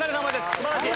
素晴らしい！